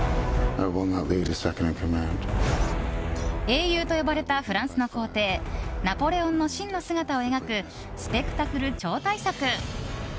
英雄と呼ばれたフランスの皇帝ナポレオンの真の姿を描くスペクタクル超大作。